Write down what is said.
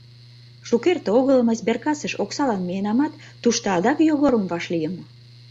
Шукерте огыл мый сберкассыш оксалан миенамат, тушто адак Йогорым вашлийым.